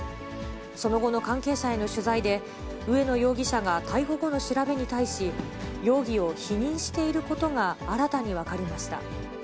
その後の関係者への取材で、植野容疑者が逮捕後の調べに対し、容疑を否認していることが新たに分かりました。